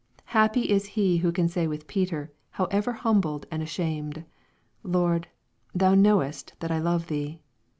Happy is he who can say with Peter, however humbled and ashamed, " Lord, thou knowest that I love thee."